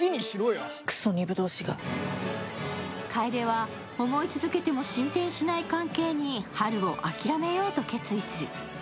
楓は思い続けても進展しない関係に春を諦めようと決意する。